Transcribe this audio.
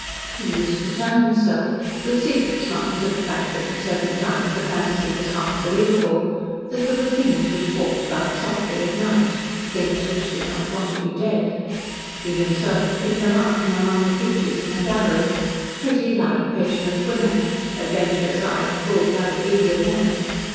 He used to tell himself with secret smiles at the fact that at certain times the fantasy was half believable that there were things which walked about softly at night things which did not want to be dead. He himself had picked them out from among the pictures in the gallery pretty, light, petulant women; adventurous eyed, full blooded, eager men.